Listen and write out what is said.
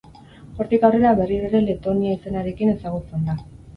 Hortik aurrera berriro ere Letonia izenarekin ezagutzen da.